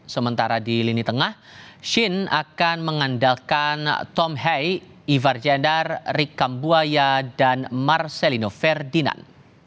sementara di lini tengah shin akan mengandalkan tom hay ivar jender rikam buaya dan marcelino ferdinand